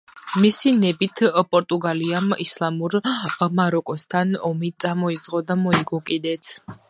მისი ნებით პორტუგალიამ ისლამურ მაროკოსთან ომი წამოიწყო და მოიგო კიდეც.